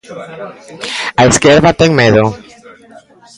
A esquerda ten medo.